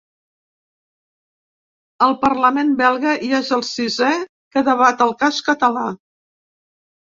El parlament belga ja és el sisè que debat el cas català.